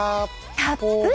たっぷり。